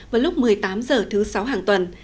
vào lúc một mươi tám h thứ sáu hàng tuần